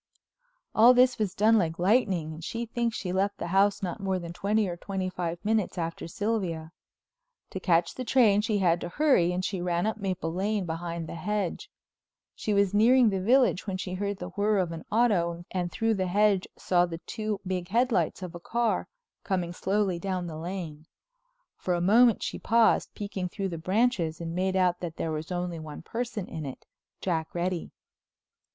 All this was done like lightning and she thinks she left the house not more than twenty or twenty five minutes after Sylvia. To catch the train she had to hurry and she ran up Maple Lane behind the hedge. She was nearing the village when she heard the whirr of an auto and through the hedge saw the two big headlights of a car, coming slowly down the Lane. For a moment she paused, peeking through the branches and made out that there was only one person in it, Jack Reddy.